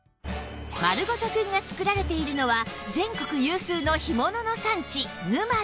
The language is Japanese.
まるごとくんが作られているのは全国有数の干物の産地沼津